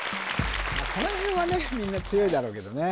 この辺はねみんな強いだろうけどね